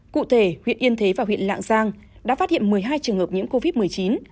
cụ thể huyện yên thế và huyện lạng giang đã phát hiện một mươi hai trường hợp nhiễm covid một mươi chín